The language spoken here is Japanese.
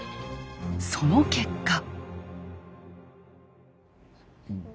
その結果。